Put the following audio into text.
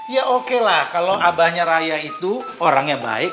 ya oke lah kalau abahnya raya itu orangnya baik